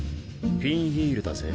ピンヒールだぜ。